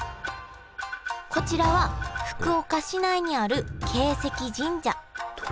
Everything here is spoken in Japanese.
こちらは福岡市内にある鶏石神社。